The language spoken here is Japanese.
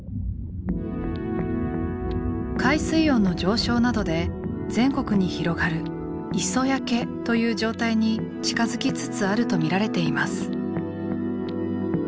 海水温の上昇などで全国に広がる「磯焼け」という状態に近づきつつあるとみられています。